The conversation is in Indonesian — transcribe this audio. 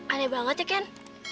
aneh banget ya ken